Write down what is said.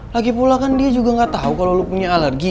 lagipula kan dia juga gak tau kalo lo punya alergi